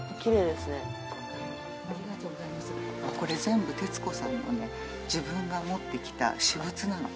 これ全部徹子さんのね自分が持ってきた私物なの。